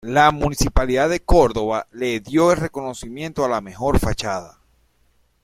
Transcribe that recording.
La Municipalidad de Córdoba le dio el reconocimiento a la mejor fachada.